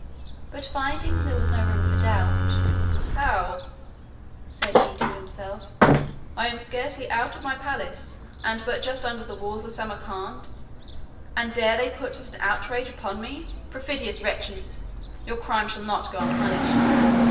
But finding there was no room for doubt, "How!" said he to himself, "I am scarcely out of my palace, and but just under the walls of Samarcand, and dare they put such an outrage upon me? Perfidious wretches! your crime shall not go unpunished.